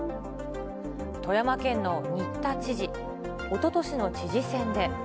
富山県の新田知事、おととしの知事選で。